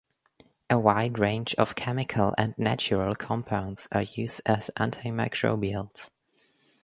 A wide range of chemical and natural compounds are used as antimicrobials.